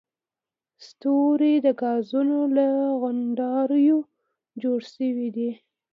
ستوري د ګازونو له غونډاریو جوړ شوي دي.